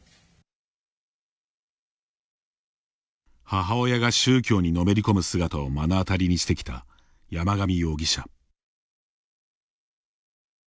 母親が宗教にのめり込む姿を目の当たりにしてきた山上容疑者。